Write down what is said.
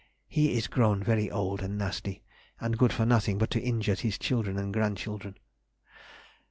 He is grown very old and nasty, and good for nothing but to injure his children and grand children.